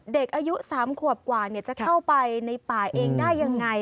เด็กอายุ๓ขวบกว่าจะเข้าไปในป่าเองได้ยังไง